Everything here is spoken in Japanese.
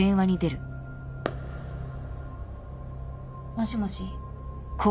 もしもし。